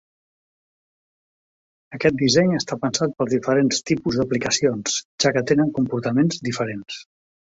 Aquest disseny està pensat pels diferents tipus d’aplicacions, ja que tenen comportaments diferents.